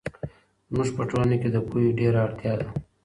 زموږ په ټولنه کې د پوهې ډېر اړتیا ده.